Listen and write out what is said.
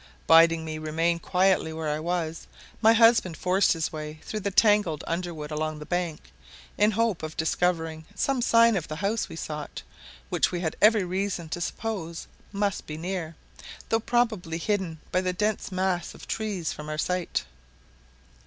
Bidding me remain quietly where I was, my husband forced his way through the tangled underwood along the bank, in hope of discovering some sign of the house we sought, which we had every reason to suppose must be near, though probably hidden by the dense mass of trees from our sight.